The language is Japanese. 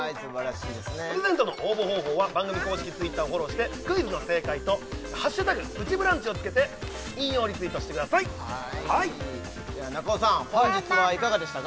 プレゼントの応募方法は番組公式Ｔｗｉｔｔｅｒをフォローしてクイズの正解と「＃プチブランチ」をつけて引用ツイートしてくださいでは中尾さん本日はいかがでしたか？